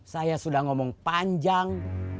saya sudah ngomong panjang